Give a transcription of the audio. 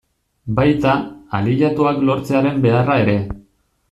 Baita, aliatuak lortzearen beharra ere.